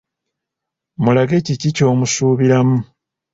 Mulage kiki ky’omusuubiramu.